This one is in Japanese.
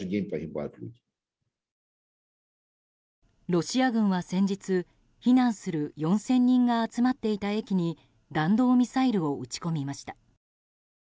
ロシア軍は先日、避難する４０００人が集まっていた駅に弾道ミサイルを撃ち込みました。